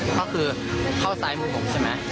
ก็คือเข้าซ้ายมือผมใช่ไหม